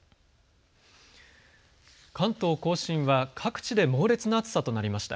関東甲信は各地で猛烈な暑さとなりました。